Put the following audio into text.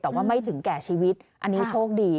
แต่ว่าไม่ถึงแก่ชีวิตอันนี้โชคดี